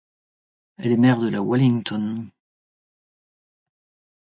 Elle est maire de la Wellington.